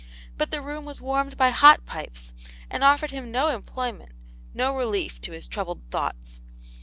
But the room was warmed by hot pipes, and offered him no enaployment^ no relief to his troubled thoughts.